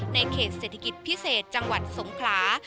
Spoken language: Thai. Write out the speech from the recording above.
เขตเศรษฐกิจพิเศษจังหวัดสงขลา